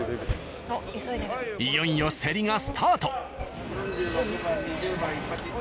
いよいよセリがスタート。